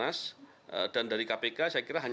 jadi saya melihatnya lebih tertutup gitu